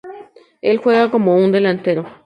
Él juega como un delantero.